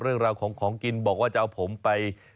เรื่องราวของของกินบอกว่าจะเอาผมไป